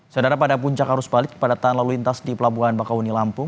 sedara pada puncak arus balik pada tahun lalu lintas di pelabuhan bakau uni lampung